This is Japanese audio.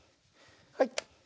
はい。